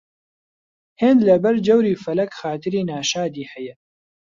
هێند لەبەر جەوری فەلەک خاتری ناشادی هەیە